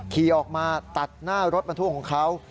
ขี่ออกมาตัดหน้ารถบรรทุกของเขา